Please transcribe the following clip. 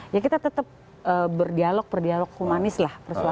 ya kita tetap berdialog perdialog humanis lah